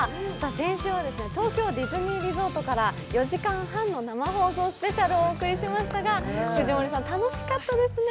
先週は東京ディズニーリゾートから４時間半の生放送スペシャルをお送りしましたが藤森さん、楽しかったですね。